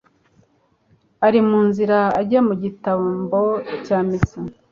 Ari mu nzira ajya mu gitambo cya Misa